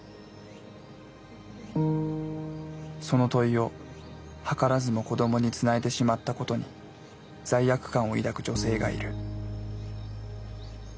その問いをはからずも子どもにつないでしまったことに罪悪感を抱く女性がいる。